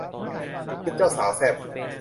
ชุดเจ้าสาวแซ่บ